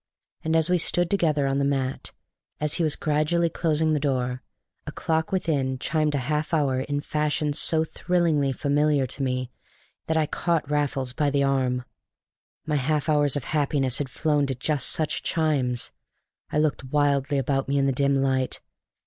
And as we stood together on the mat, as he was gradually closing the door, a clock within chimed a half hour in fashion so thrillingly familiar to me that I caught Raffles by the arm. My half hours of happiness had flown to just such chimes! I looked wildly about me in the dim light.